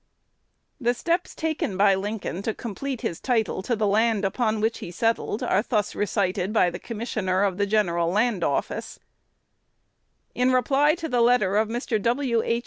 The steps taken by Lincoln to complete his title to the land upon which he settled are thus recited by the Commissioner of the General Land Office: "In reply to the letter of Mr. W. H.